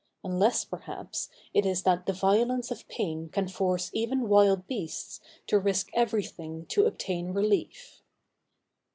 Unless, perhaps, it is that the violence of pain can force even wild beasts to risk everything to obtain relief.